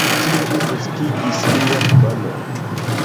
Tio kreskigis lian famon.